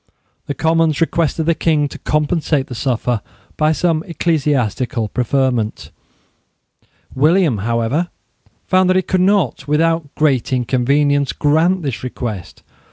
The Commons requested the king to compensate the sufferer by some ecclesiastical preferment, William, however, found that he could not, without great inconvenience, grant this request.